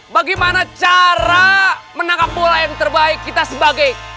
bagaimana cara menangkap pola yang terbaik kita sebagai